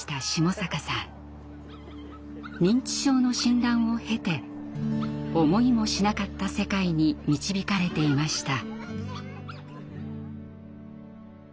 認知症の診断を経て思いもしなかった世界に導かれていました。